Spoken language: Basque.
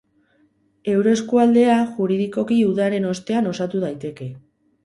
Euroeskualdea juridikoki udaren ostean osatu daiteke.